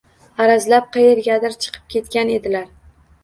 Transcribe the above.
Arazlab, qayergadir chiqib ketgan edilar.